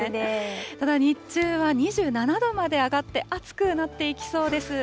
ただ日中は２７度まで上がって、暑くなっていきそうです。